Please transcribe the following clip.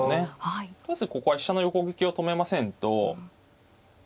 とりあえずここは飛車の横利きを止めませんと。